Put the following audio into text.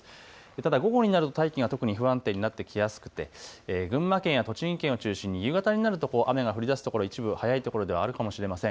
ただ午後になる大気が特に不安定になってきやすくて群馬県や栃木県を中心に夕方になると雨が降りだすところ一部早いところではあるかもしれません。